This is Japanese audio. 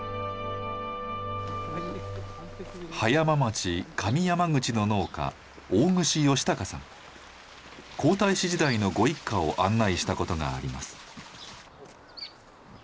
葉山町上山口の農家皇太子時代のご一家を案内したことがあります。